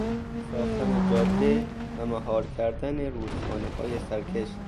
ساختن جاده و مهار کردن رودخانههای سرکش